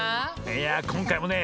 いやこんかいもね